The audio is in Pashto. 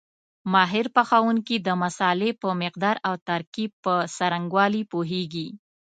ماهر پخوونکي د مسالې په مقدار او ترکیب په څرنګوالي پوهېږي.